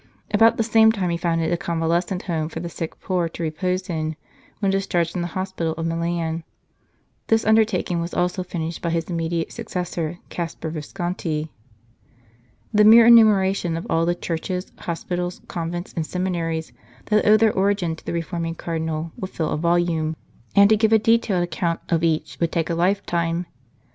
About the same time he founded a convalescent home for the sick poor to repose in when dis charged from the hospital of Milan. This under taking was also finished by his immediate successor, Caspar Visconti. The mere enumeration of all the churches, hospitals, convents, and seminaries, that owe their origin to the reforming Cardinal would fill a volume, and to give a detailed account of each would take a lifetime.